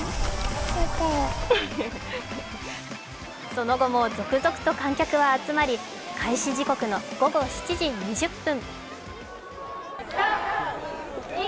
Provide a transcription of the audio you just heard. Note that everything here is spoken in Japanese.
その後も続々と観客は集まり、開始時刻の午後７時２０分。